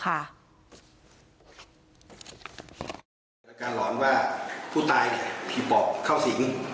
อาการหลอนว่าผู้ตายผิดบอกเข้าสิง